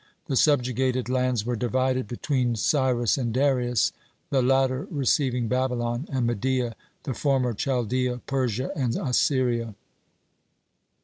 The subjugated lands were divided between Cyrus and Darius, the latter receiving Babylon and Media, the former Chaldea, Persia, and Assyria.